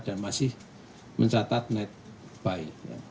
dan masih mencatat netbuy